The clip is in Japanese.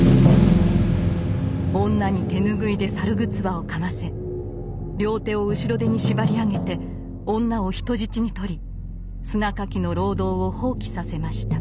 女に手拭いで猿ぐつわをかませ両手を後ろ手に縛り上げて女を人質にとり砂掻きの労働を放棄させました。